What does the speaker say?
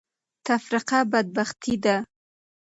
تفرقه بدبختي ده.